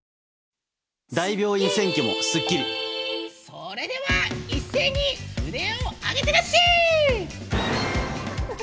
それでは一斉に札を上げてなっしー！